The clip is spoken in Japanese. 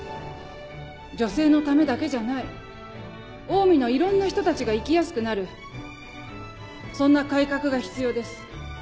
女性のためだけじゃないオウミのいろんな人たちが生きやすくなるそんな改革が必要です。